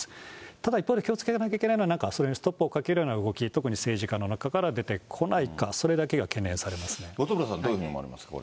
ただ一方で気をつけなきゃいけないのは、なんかそれにストップをかけるような動き、特に政治家の中から出てこないか、本村さん、どういうふうに思